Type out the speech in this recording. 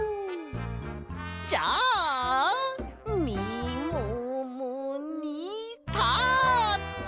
じゃあみももにタッチ！